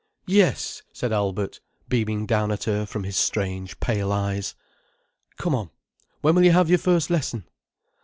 "Yes," said Albert, beaming down at her from his strange pale eyes. "Come on. When will you have your first lesson?"